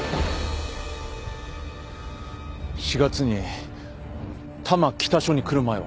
４月に多摩北署に来る前は？